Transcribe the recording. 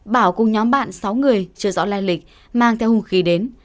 bảo cùng nhóm bạn sáu người chưa rõ lai lịch mang theo hung khí đến